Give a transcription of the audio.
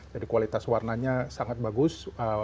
jadi kualitas warnanya sangat bagus